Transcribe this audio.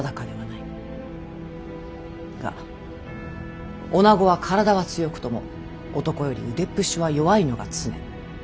が女は体は強くとも男より腕っぷしは弱いのが常。